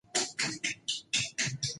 د علم لاره جنت ته تللې ده.